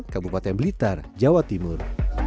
kabupaten blitar jawa timur